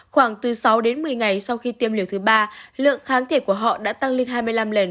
khoảng từ sáu đến một mươi ngày sau khi tiêm liều thứ ba lượng kháng thể của họ đã tăng lên hai mươi năm lần